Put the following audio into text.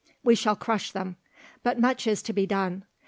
We shall crush them; but much is to be done.